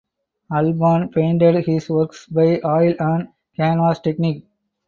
Alban painted his works by oil on canvas technique.